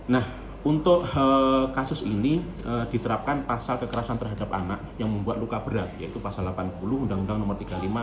nah untuk kasus ini diterapkan pasal kekerasan terhadap anak yang membuat luka berat yaitu pasal delapan puluh undang undang no tiga puluh lima